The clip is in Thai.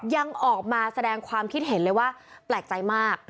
ยังออกมาแสดงความคิดเห็นเลยว่าแปลกใจมาก